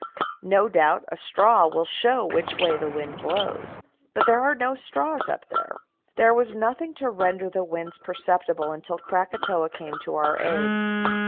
No doubt a straw will show which way the wind blows, but there are no straws up there. There was nothing to render the winds perceptible until Krakatoa came to our aid.